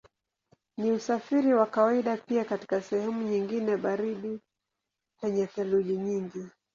Ni usafiri wa kawaida pia katika sehemu nyingine baridi penye theluji nyingi.